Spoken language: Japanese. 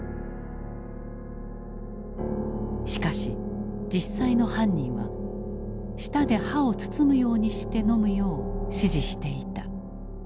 しかし実際の犯人は舌で歯を包むようにして飲むよう指示していた。